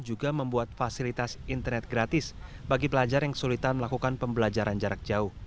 juga membuat fasilitas internet gratis bagi pelajar yang kesulitan melakukan pembelajaran jarak jauh